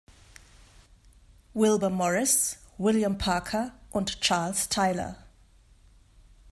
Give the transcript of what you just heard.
Wilber Morris, William Parker und Charles Tyler.